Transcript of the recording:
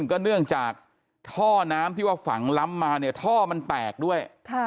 ก็เนื่องจากท่อน้ำที่ว่าฝังล้ำมาเนี่ยท่อมันแตกด้วย